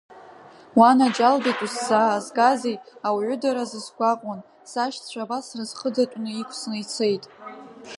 Уанаџьалбеит усзаазгазеи, ауаҩыдаразы сгәаҟуан, сашьцәа абас сразҟыдатәны иқәҵны ицеит.